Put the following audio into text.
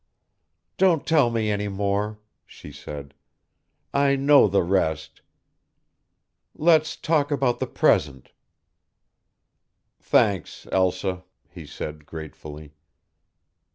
"Don't tell me any more," she said; "I know the rest. Let's talk about the present." "Thanks, Elsa," he said, gratefully.